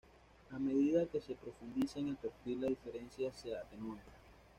A medida que se profundiza en el perfil las diferencias se atenúan.